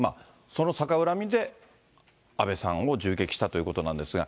その逆恨みで安倍さんを銃撃したということなんですが。